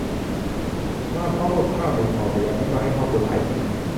มาพร้อมกับข้าวห่อหนึ่งใส่ยาพิษมาให้พ่อบุญหลายกิน